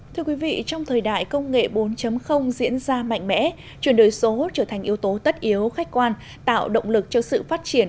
thưa quý vị trong thời đại công nghệ bốn diễn ra mạnh mẽ chuyển đổi số trở thành yếu tố tất yếu khách quan